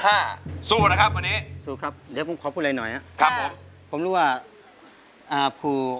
หกท่านนี่ไปด้วยกันหมดเลยนะไปหมดเลยนะ